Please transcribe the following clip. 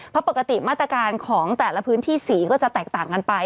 เพราะปกติมาตรการของแต่ละพื้นที่สีก็จะแตกต่างกันไป